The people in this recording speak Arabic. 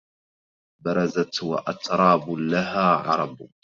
برزت وأتراب لها عرب